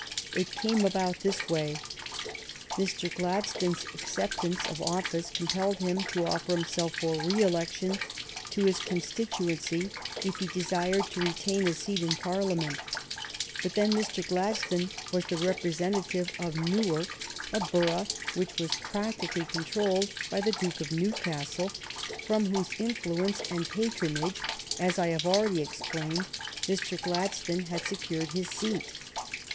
It came about in this way: Mr. Glad stone's acceptance of office compelled him to offer himself for re election to his constituency if he desired to retain his seat in Parliament. But then Mr. Gladstone was the representative of Newark, K Robert Pkel THE FREE TRADE STRUGGLE 10/ a borough which was practically controlled by the Duke of Newcastle, from whose influence and patronage, as I have already explained, Mr. Glad stone had secured his seat.